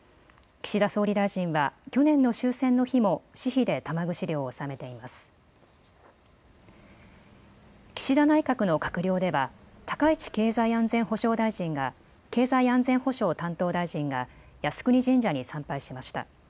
岸田内閣の閣僚では高市経済安全保障担当大臣が靖国神社に参拝しました。